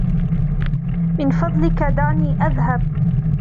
من فضلك دعني أذهب.